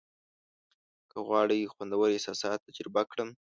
که غواړم خوندور احساسات تجربه کړم.